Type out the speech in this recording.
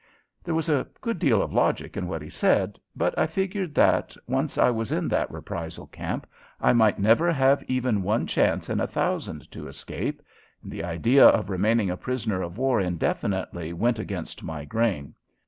There was a good deal of logic in what he said, but I figured that, once I was in that reprisal camp, I might never have even one chance in a thousand to escape, and the idea of remaining a prisoner of war indefinitely went against my grain.